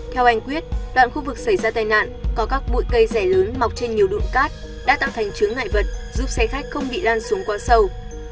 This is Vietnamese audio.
theo anh quyết đoạn khu vực xảy ra tai nạn có các bụi cây rẻ lớn mọc trên nhiều đụn cát đã tạo thành chướng ngại vật giúp xe khách không bị lan xuống qua sâu